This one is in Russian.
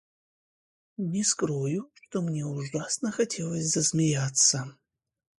Не скрою, что мне ужасно хотелось засмеяться.